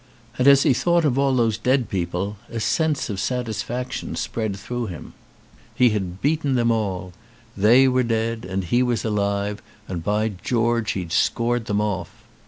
And as he thought of all those 197 ON A CHINESE SCEEEN dead people a sense of satisfaction spread through him. He had beaten them all. They were dead and he was alive, and by George he'd scored them off.